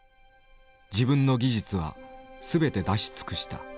「自分の技術は全て出し尽くした。